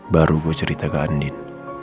baru gue cerita ke andin